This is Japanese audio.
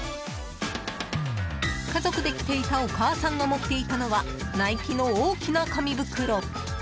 家族で来ていたお母さんが持っていたのはナイキの大きな紙袋。